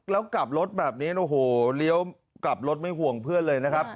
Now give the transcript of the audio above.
แล้วกลับรถแบบนี้โอ้โหเลี้ยวกลับรถไม่ห่วงเพื่อนเลยนะครับ